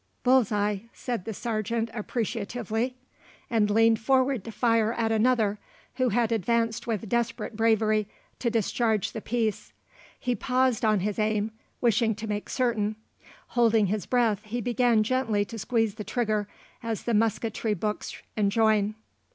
"Bull's eye," said the Sergeant appreciatively, and leaned forward to fire at another, who had advanced with desperate bravery to discharge the piece. He paused long on his aim, wishing to make certain; holding his breath he began gently to squeeze the trigger, as the musketry books enjoin.